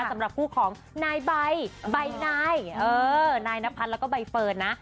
สำหรับคู่ของนายใบนายเออนายนายนพัฒน์แล้วก็ใบเฟิร์นนะ